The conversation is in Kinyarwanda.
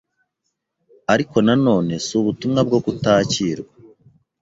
ariko na none si ubutumwa bwokutakirwa